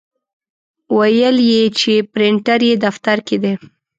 ویل یې چې پرنټر یې دفتر کې دی.